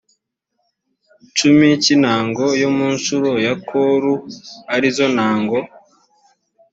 cumi cy intango yo mu ncuro ya koru ari zo ntango